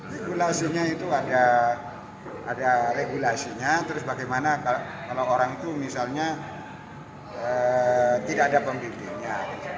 regulasinya itu ada regulasinya terus bagaimana kalau orang itu misalnya tidak ada pembimbingnya